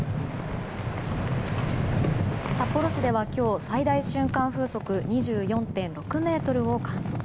札幌市では今日、最大瞬間風速２４．６メートルを観測。